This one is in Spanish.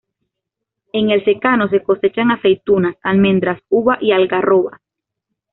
En el secano se cosechan aceitunas, almendras, uva y algarrobas.